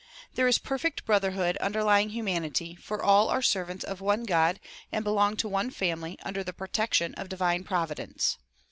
There is per fect brotherhood underlying humanity, for all are servants of one God and belong to one family under the protection of divine providence.